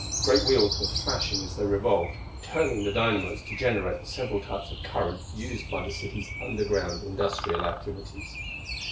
Great wheels were flashing as they revolved, turning the dynamos to generate the several types of current used by the city's underground industrial activities.